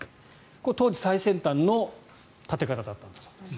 これは当時、最先端の建て方だったらしいです。